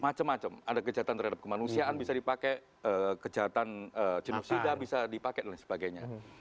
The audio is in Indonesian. macam macam ada kejahatan terhadap kemanusiaan bisa dipakai kejahatan jenuksida bisa dipakai dan lain sebagainya